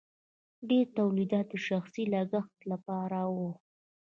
ډیر تولیدات د شخصي لګښت لپاره وو.